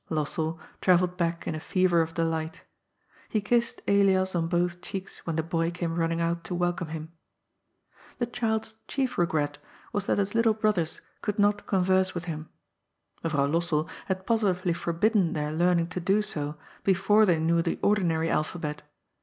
Lossell travelled back in a fever of delight. He kissed Elias on both cheeks when the boy came running out to welcome him. The child's chief regret was that his little brothers could not converse with him. Mevrouw Lossell had positively forbidden their learning to do so before they knew the ordinary alphabet.